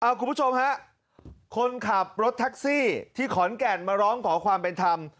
คุณผู้ชมฮะคนขับรถแท็กซี่ที่ขอนแก่นมาร้องขอความเป็นธรรม